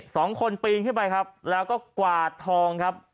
สองคนปีนขึ้นไปครับแล้วก็กวาดทองครับ